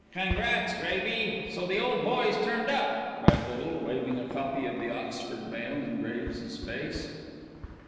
"Congrats., Gravy. So the old boy's turned up," cried Little, waving a copy of The Oxford Mail in Graves's face.